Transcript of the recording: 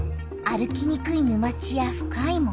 歩きにくい沼地や深い森